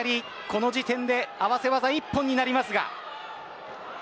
この時点で合わせ技一本になりますが。